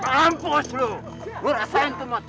hapus lo gue rasain tuh mati